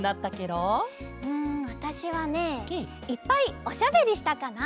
うんわたしはねいっぱいおしゃべりしたかな。